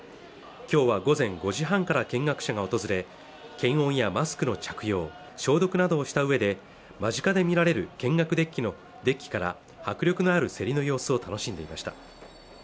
今日は午前５時半から見学者が訪れ検温やマスクの着用消毒などをした上で間近で見られる見学デッキから迫力のある競りの様子を楽しんでいました